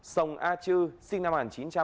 sông a chư sinh năm một nghìn chín trăm tám mươi